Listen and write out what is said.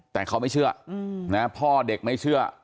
แต่เขาไม่เชื่อนะพ่อเด็กไม่เชื่อ